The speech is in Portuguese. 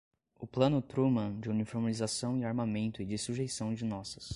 o Plano Truman de uniformização de armamento e de sujeição de nossas